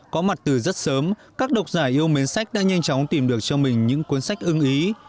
có mặt từ rất sớm các độc giả yêu mến sách đã nhanh chóng tìm được cho mình những cuốn sách ưng ý